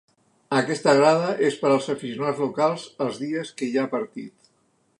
Aquesta grada és per als aficionats locals els dies que hi ha partit.